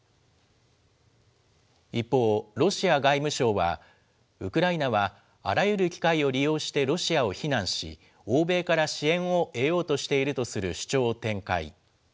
一方、ロシア外務省は、ウクライナはあらゆる機会を利用してロシアを非難し、欧米から支援を得ようとしているとする主張を展開。